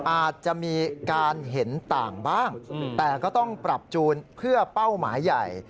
อาจจะมีการเห็นต่างบ้างแต่ก็ต้องปรับจูนเพื่อเป้าหมายใหญ่